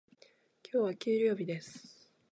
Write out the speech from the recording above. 今日は給料日です。